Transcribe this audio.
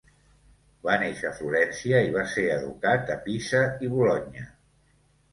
Va néixer a Florència, i va ser educat a Pisa i Bologna.